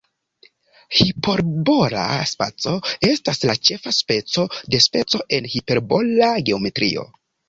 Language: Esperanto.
Hiperbola spaco estas la ĉefa speco de spaco en hiperbola geometrio.